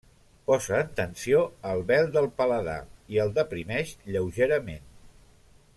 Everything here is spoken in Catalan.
Posa en tensió el vel del paladar i el deprimeix lleugerament.